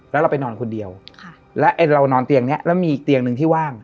แล้วเราไปนอนคนเดียวแล้วไอ้เรานอนเตียงเนี้ยแล้วมีอีกเตียงหนึ่งที่ว่าง